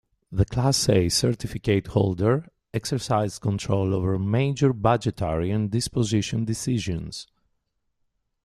The class A certificate holder exercised control over major budgetary and disposition decisions.